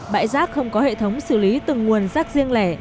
bãi rác không có hệ thống xử lý từng nguồn rác riêng lẻ